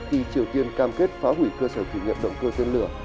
khi triều tiên cam kết phá hủy cơ sở thử nghiệm động cơ tên lửa